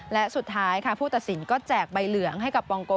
และสุดท้ายค่ะผู้ตัดสินก็แจกใบเหลืองให้กับปองโก